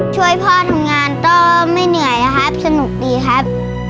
ช่วยพ่อทำงานก็ไม่เหนื่อยนะครับสนุกดีครับ